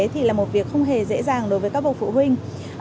thì là một việc không hề dễ dàng đối với các bậc phụ huynh